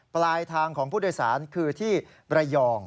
ปลายทางของผู้โดยสารคือที่ระยอง